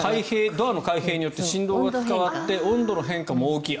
ドアの開閉によって振動が伝わって温度の変化も大きい。